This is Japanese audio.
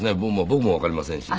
僕もわかりませんし。